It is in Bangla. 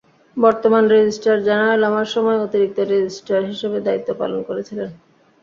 বর্তমান রেজিস্ট্রার জেনারেল আমার সময়ে অতিরিক্ত রেজিস্ট্রার হিসেবে দায়িত্ব পালন করেছিলেন।